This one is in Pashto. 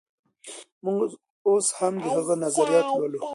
موږ اوس هم د هغه نظريات لولو.